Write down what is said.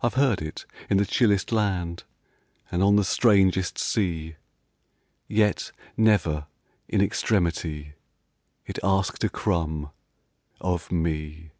I 've heard it in the chillest land, And on the strangest sea; Yet, never, in extremity, It asked a crumb of me.